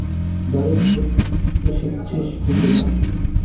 ভারি ছুটতে শিখিচিস খুঁকি না?